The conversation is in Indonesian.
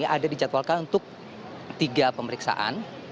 ada dijadwalkan untuk tiga pemeriksaan